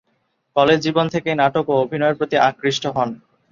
College জীবন থেকেই নাটক ও অভিনয়ের প্রতি আকৃষ্ট হন।